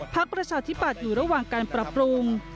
ประชาธิปัตย์อยู่ระหว่างการปรับปรุง